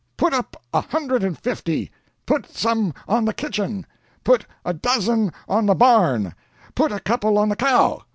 "Put up a hundred and fifty! Put some on the kitchen! Put a dozen on the barn! Put a couple on the cow!